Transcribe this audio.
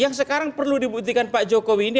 yang sekarang perlu dibuktikan pak jokowi ini